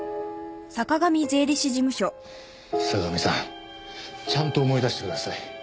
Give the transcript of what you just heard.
坂上さんちゃんと思い出してください。